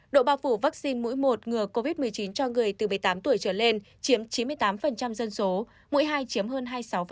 độ bao phủ vaccine mũi một ngừa covid một mươi chín cho người từ một mươi tám tuổi trở lên chiếm chín mươi tám dân số mũi hai chiếm hơn hai mươi sáu